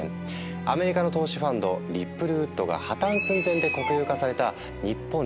アメリカの投資ファンドリップルウッドが破綻寸前で国有化された日本長期信用銀行こと